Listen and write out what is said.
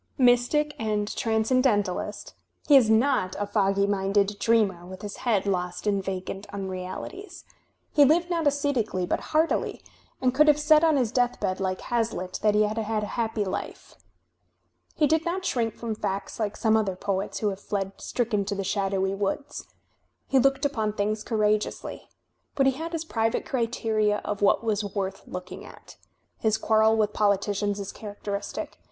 Mystic and transoendentalist, he is not a foggy minded dreamer with his head lost in vacant unrealities. He Uved not ajscetically, but heartily, and could have said on his deathbed like HazUtt that he had had a happy life. He did not shrink from facts like some other poets who have fled stricken to the shadowy woods. He looked upon things courageously. But he had his private criteria of what was worth looking at. His quarrel with politicians is character istic.